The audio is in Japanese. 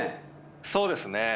そうですね。